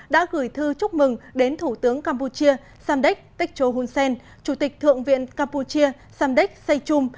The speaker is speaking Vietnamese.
đã gửi thư chúc mừng đến thủ tướng campuchia samdech techo hun sen chủ tịch thượng viện campuchia samdek saychum